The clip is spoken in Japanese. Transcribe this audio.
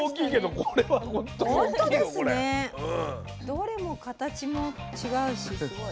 どれも形も違うしすごい。